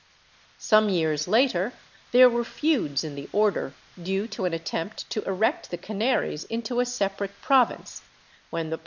Some years later, there were feuds in the Order, due to an attempt to erect the Canaries into a separate province, when the prior.